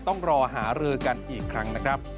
ต้องรอหาเรื่อกันอีกครั้ง